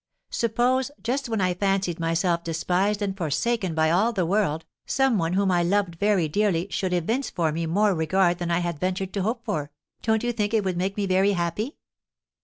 Suppose, just when I fancied myself despised and forsaken by all the world, some one whom I loved very dearly should evince for me more regard than I had ventured to hope for, don't you think it would make me very happy?"